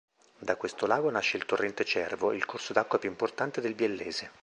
Da questo lago nasce il Torrente Cervo, il corso d'acqua più importante del Biellese.